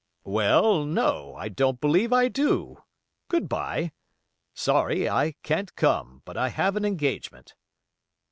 "Well, no, I don't believe I do. Good by. Sorry I can't come; but I have an engagement."